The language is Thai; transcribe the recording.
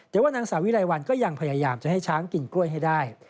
แต่ว่านางสาวิไลวันก็ยังพยายามจะให้ช้างกินกล้วยให้ได้